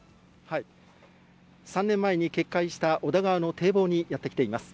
３年前に決壊した小田川の堤防にやって来ています。